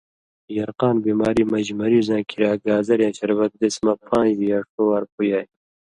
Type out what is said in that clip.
یرقان بیماری مژ مریضاں کریا گازریاں شربت دیس مہ پاݩژ یا ݜو وار پویائ